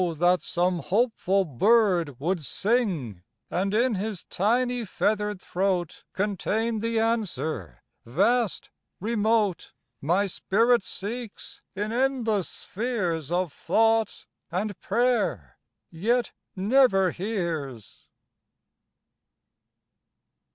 that some hopeful bird would sing, And in his tiny feathered throat Contain the answer vast, remote, My spirit seeks in endless spheres Of thought, and prayer, yet never hears!